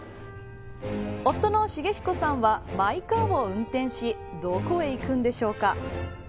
夫の重彦さんはマイカーを運転しどこへ行くんでしょうか。